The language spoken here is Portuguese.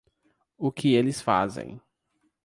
O que eles fazem